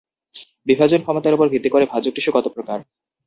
বিভাজন ক্ষমতার উপর ভিত্তি করে ভাজক টিস্যু কত প্রকার?